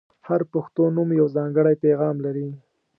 • هر پښتو نوم یو ځانګړی پیغام لري.